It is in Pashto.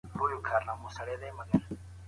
وضعيت پوښتل.